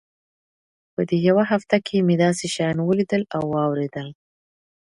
په دې يوه هفته کښې مې داسې شيان وليدل او واورېدل.